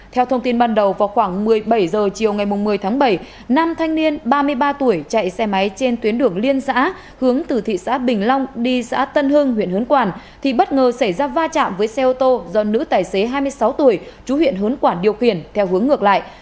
theo thông tin ban đầu vào khoảng một mươi bảy h chiều ngày một mươi tháng bảy nam thanh niên ba mươi ba tuổi chạy xe máy trên tuyến đường liên xã hướng từ thị xã bình long đi xã tân hưng huyện hớn quản thì bất ngờ xảy ra va chạm với xe ô tô do nữ tài xế hai mươi sáu tuổi chú huyện hớn quản điều khiển theo hướng ngược lại